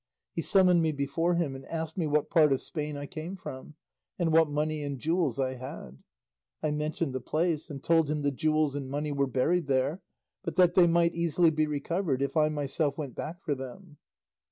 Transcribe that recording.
He summoned me before him, and asked me what part of Spain I came from, and what money and jewels I had. I mentioned the place, and told him the jewels and money were buried there; but that they might easily be recovered if I myself went back for them.